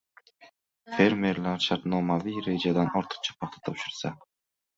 fermerlar shartnomaviy rejadan ortiqcha paxta topshirsa